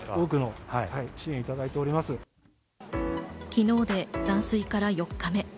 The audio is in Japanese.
昨日で断水から４日目。